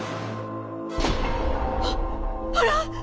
あっあらっ？